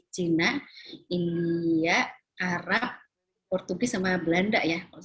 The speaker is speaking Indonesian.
cina india arab portugis dan belanda ya